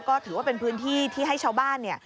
ก็ถือว่าเป็นพื้นที่ที่ให้ชาวบ้านเนี่ย